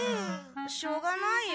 しょうがないよ。